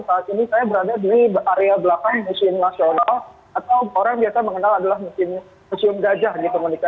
saat ini saya berada di area belakang museum nasional atau orang biasa mengenal adalah museum gajah gitu monika